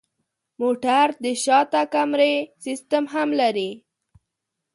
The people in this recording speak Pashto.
موټر د شاته کمرې سیستم هم لري.